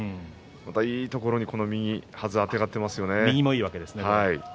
また、いいところにこの右はずをあてがっていますね。